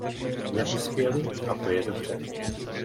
Neuspěli a to je dobře.